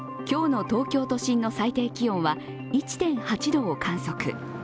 今日の東京都心の最低気温は１．８度を観測。